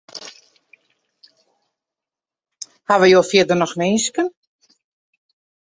Hawwe jo fierder noch winsken?